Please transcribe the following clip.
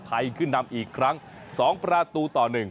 ไทยขึ้นนำอีกครั้ง๒ประตูต่อ๑